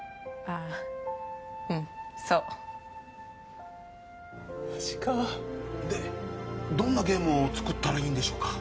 ああうんそうマジかでどんなゲームを作ったらいいんでしょうか